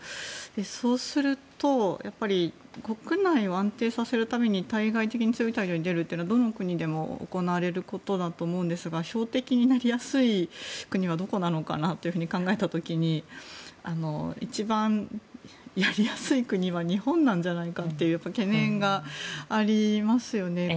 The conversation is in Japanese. そうするとやっぱり国内を安定させるために対外的に強い態度に出るというのはどの国でも行われることだと思うんですが標的になりやすい国はどこなのかなと考えた時に一番、やりやすい国は日本なんじゃないかという懸念がありますよね。